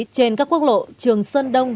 trên các quốc lộ trường sơn đông